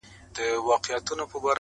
ژوند مي هيڅ نه دى ژوند څه كـړم!!